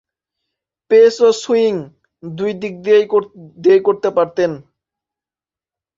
Pace ও swing দুই দিক দিয়েই করতে পারতেন।